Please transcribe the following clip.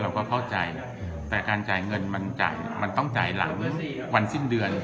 เราก็เข้าใจแหละแต่การจ่ายเงินมันต้องจ่ายหลังวันสิ้นเดือน